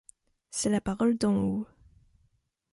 C’est la parole d’en haut.